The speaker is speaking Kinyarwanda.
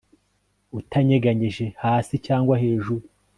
utanyeganyeje hasi, cyangwa hejuru